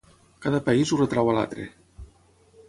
Cada país ho retreu a l'altre.